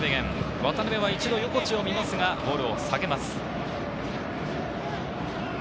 渡辺は一度、横地を見ますがボールを下げます。